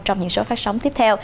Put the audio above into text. trong những số phát sóng tiếp theo